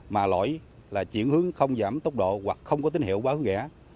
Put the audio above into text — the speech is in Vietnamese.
mà lỗi là chuyển hướng không giảm tốc độ hoặc không có tín hiệu báo hướng ghẽ